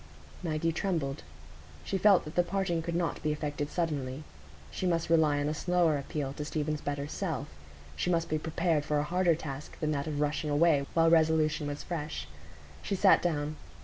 Maggie trembled. She felt that the parting could not be effected suddenly. She must rely on a slower appeal to Stephen's better self; she must be prepared for a harder task than that of rushing away while resolution was fresh. She sat down.